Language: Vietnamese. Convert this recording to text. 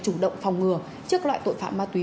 chủ động phòng ngừa trước loại tội phạm ma túy